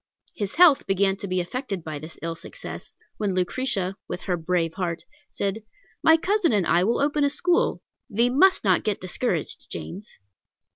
His health began to be affected by this ill success, when Lucretia, with her brave heart, said, "My cousin and I will open a school; thee must not get discouraged, James."